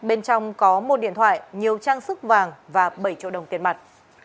bên trong có một điện thoại nhiều trang sức vàng và bảy triệu đồng tiền mặt